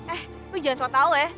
eh lu jangan sok tau ya